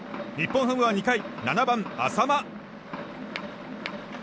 日本ハムは２回７番、淺間。